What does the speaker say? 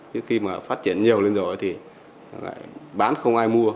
chứ khi mà phát triển nhiều lên rồi thì bán không ai mua